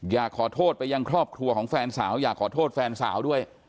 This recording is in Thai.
อยากขอโทษไปยังครอบครัวของแฟนสาวอยากขอโทษแฟนสาวด้วย